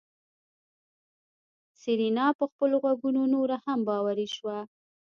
سېرېنا په خپلو غوږو نوره هم باوري شوه.